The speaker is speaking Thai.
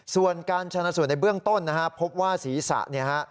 ส่วนการชนะสูตรในเบื้องต้นนะฮะพบว่าศีรษะเนี่ยฮะ